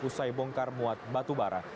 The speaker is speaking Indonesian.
usai bongkar muat batu bara